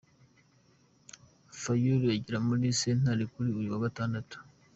Fayulu yagiye muri sentare kuri uyu wa gatandatu.